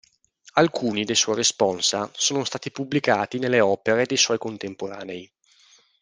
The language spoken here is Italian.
Alcuni dei suoi responsa sono stati pubblicati nelle opere dei suoi contemporanei.